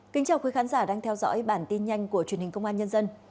kính chào quý khán giả đang theo dõi bản tin nhanh của truyền hình công an nhân dân